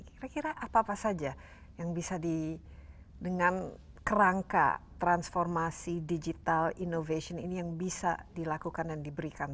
kira kira apa apa saja yang bisa di dengan kerangka transformasi digital innovation ini yang bisa dilakukan dan diberikan